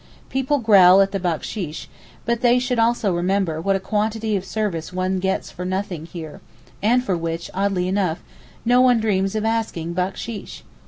People growl at the backsheesh, but they should also remember what a quantity of service one gets for nothing here, and for which, oddly enough, no one dreams of asking backsheesh.